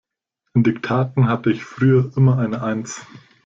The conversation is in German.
In Diktaten hatte ich früher immer eine eins.